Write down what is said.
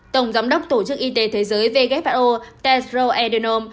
tổng giám đốc tổ chức y tế thế giới who tedro adenom